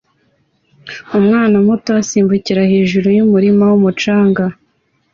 Umwana muto asimbukira hejuru yumurima wumucanga